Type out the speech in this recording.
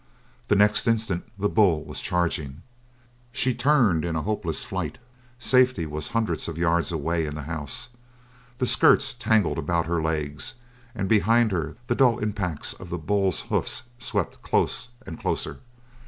The next instant the bull was charging. She turned in a hopeless flight. Safety was hundreds of yards away in the house; the skirts tangled about her legs; and behind her the dull impacts of the bull's hoofs swept close and closer.